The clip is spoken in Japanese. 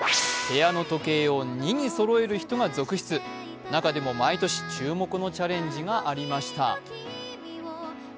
部屋の時計を２にそろえる人が続出中でも毎年注目のチャレンジがありました。